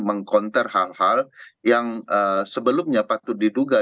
mengkonter hal hal yang sebelumnya patut diduga